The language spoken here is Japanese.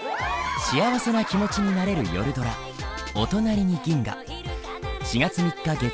幸せな気持ちになれる夜ドラ「おとなりに銀河」。